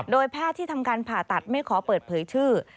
แพทย์ที่ทำการผ่าตัดไม่ขอเปิดเผยชื่อ